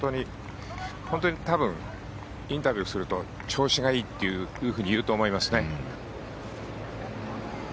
本当に多分、インタビューすると調子がいいって言うと思います。